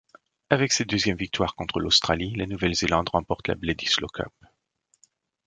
Avec cette deuxième victoire contre l'Australie, la Nouvelle-Zélande remporte la Bledisloe Cup.